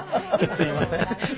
すみません。